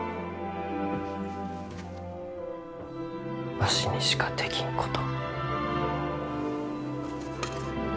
わしにしかできんこと。